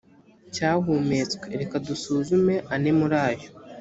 cyahumetswe reka dusuzume ane muri yo